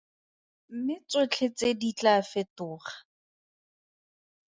Mme tsotlhe tse di tla fetoga.